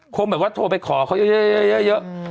คงแบบว่าโทรไปขอเขาเยอะ